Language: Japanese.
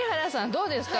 どうですか？